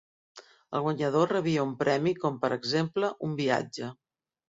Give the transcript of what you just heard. El guanyador rebia un premi com per exemple un viatge.